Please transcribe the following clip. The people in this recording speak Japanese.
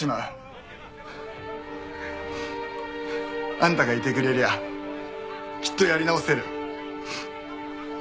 あんたがいてくれりゃきっとやり直せる。